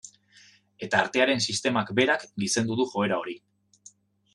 Eta artearen sistemak berak gizendu du joera hori.